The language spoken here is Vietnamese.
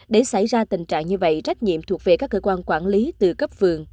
để xảy ra tình trạng như vậy trách nhiệm thuộc về các cơ quan quản lý từ cấp phường